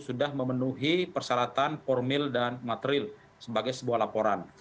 sudah memenuhi persyaratan formil dan material sebagai sebuah laporan